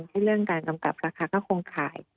เรื่องการกำกับราคาก็คงขาย